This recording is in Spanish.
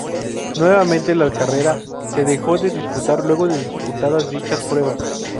Nuevamente la carrera se dejó de disputar luego de disputadas dichas pruebas.